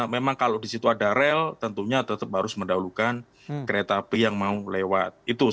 memang kalau di situ ada rel tentunya tetap harus mendahulukan kereta api yang mau lewat